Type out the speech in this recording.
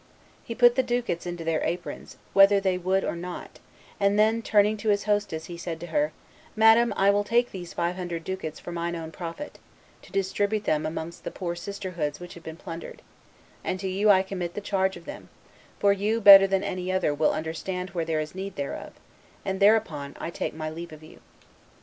He put the ducats into their aprons, whether they would or not; and then, turning to his hostess, he said to her, "Madam, I will take these five hundred ducats for mine own profit, to distribute them amongst the poor sisterhoods which have been plundered; and to you I commit the charge of them, for you, better than any other, will understand where there is need thereof, and thereupon I take my leave of you."